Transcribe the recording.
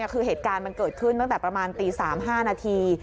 คือเหตุการณ์มันเกิดขึ้นตั้งแต่ประมาณตี๓๕นาที